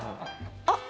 あっ！